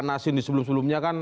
nasin di sebelum sebelumnya kan